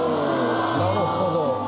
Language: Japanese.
なるほど。